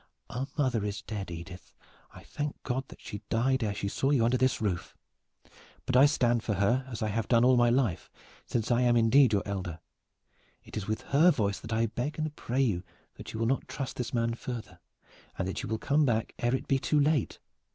"Our mother is dead, Edith. I thank God that she died ere she saw you under this roof! But I stand for her, as I have done all my life, since I am indeed your elder. It is with her voice that I beg and pray you that you will not trust this man further, and that you will come back ere it be too late!"